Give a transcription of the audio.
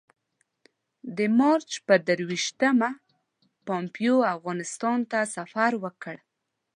د مارچ پر درویشتمه پومپیو افغانستان ته سفر وکړ.